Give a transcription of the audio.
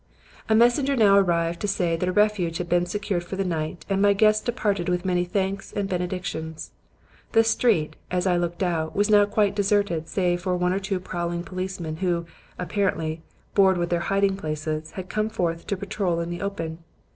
"A messenger now arrived to say that a refuge had been secured for the night, and my guests departed with many thanks and benedictions. The street, as I looked out, was now quite deserted save for one or two prowling policemen, who, apparently bored with their hiding places, had come forth to patrol in the open.